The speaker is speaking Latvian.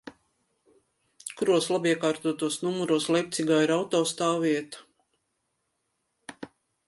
Kuros labiekārtotos numuros Leipcigā ir autostāvvieta?